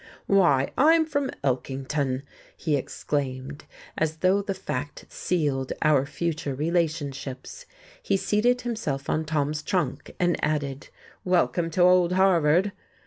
"Why, I'm from Elkington!" he exclaimed, as though the fact sealed our future relationships. He seated himself on Tom's trunk and added: "Welcome to old Harvard!"